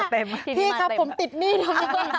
พี่ครับผมติดหนี้นะ